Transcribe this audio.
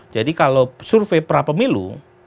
jadi kalau survei pra pemilu